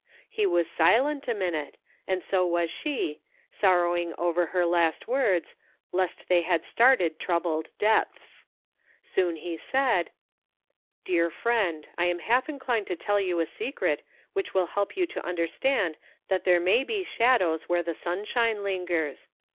He was silent a minute, and so was she, sorrowing over her last words, lest they had started troubled depths. Soon he said : ''Dear friend, I am half inclined to tell you a secret which will help you to understand that there may be shadows where the sunshine lin gers.